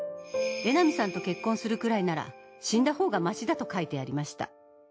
江波さんと結婚するくらいなら死んだほうがましだと書いてやりました。